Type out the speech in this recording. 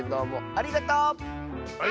ありがとう！